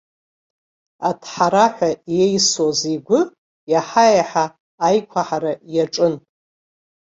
Аҭҳараҳәа иеисуаз игәы иаҳа-иаҳа аиқәаҳара иаҿын.